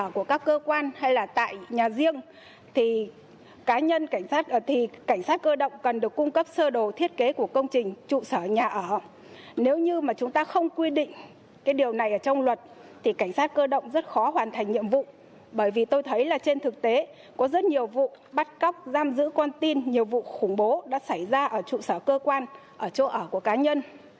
cái điều này ở trong luật thì cảnh sát cơ động rất khó hoàn thành nhiệm vụ bởi vì tôi thấy là trên thực tế có rất nhiều vụ bắt cóc giam giữ con tin nhiều vụ khủng bố đã xảy ra ở trụ sở cơ quan ở chỗ ở của cá nhân